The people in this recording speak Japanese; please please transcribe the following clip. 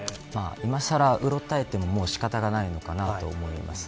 今更うろたえても仕方がないのかなと思います。